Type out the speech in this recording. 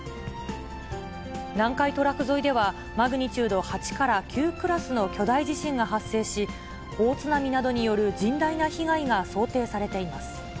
南海トラフ沿いでは、マグニチュード８から９クラスの巨大地震が発生し、大津波などによる甚大な被害が想定されています。